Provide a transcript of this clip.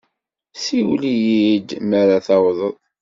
Siwel-iyi-d mi ara tawḍeḍ.